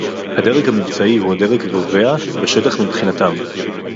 הדרג המבצעי הוא הדרג הקובע בשטח מבחינתם